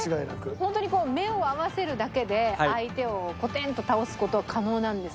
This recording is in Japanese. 本当に目を合わせるだけで相手をコテンと倒す事は可能なんですか？